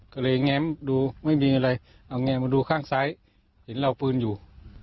ก็เลยแง้มดูไม่มีอะไรเอาแง้มมาดูข้างซ้ายเห็นเราปืนอยู่